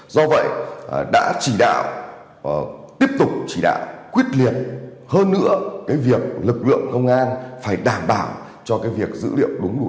do vậy đã chỉ đạo tiếp tục chỉ đạo quyết liệt hơn nữa cái việc lực lượng công an phải đảm bảo cho cái việc dữ liệu đúng đủ